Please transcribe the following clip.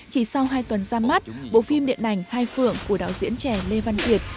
chỉ sau hai tuần ra mắt bộ phim điện ảnh hai phượng của đạo diễn trẻ lê văn việt